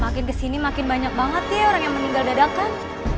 makin kesini makin banyak banget ya orang yang meninggal dadakan